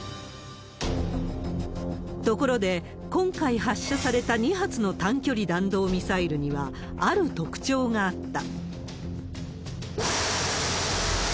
ところで、今回発射された２発の短距離弾道ミサイルには、ある特徴があった。